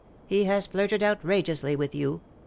He has flirted outrageously with you.